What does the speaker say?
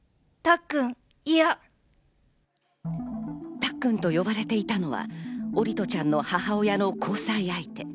たっくんと呼ばれていたのは桜利斗ちゃんの母親の交際相手。